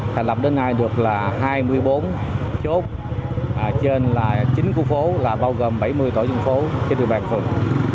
thành lập đến nay được hai mươi bốn chốt trên chín khu phố bao gồm bảy mươi tổ chức phố trên đường bàn phường